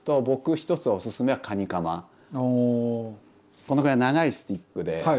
このぐらい長いスティックで。